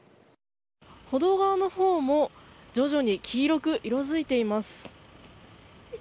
歩道側のほうも徐々に黄色く色づいています。